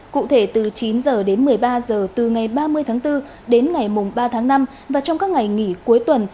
cụ thể từ chín h đến một mươi ba h từ ngày ba mươi tháng bốn đến ngày mùng ba tháng năm và trong các ngày nghỉ cuối tuần